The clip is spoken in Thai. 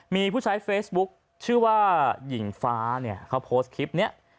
มีผู้ใช้เฟซบุ๊คชื่อว่าหญิงฟ้าเนี่ยเขาโพสต์คลิปนี้